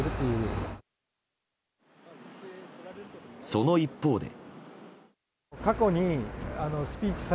その一方で。